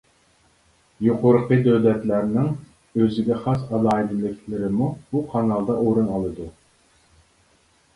يۇقىرىقى دۆلەتلەرنىڭ ئۆزىگە خاس ئالاھىدىلىكلىرىمۇ بۇ قانالدا ئورۇن ئالىدۇ.